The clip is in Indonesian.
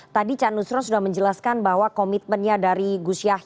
tadi cak nusron sudah menjelaskan bahwa komitmennya dari gus yahya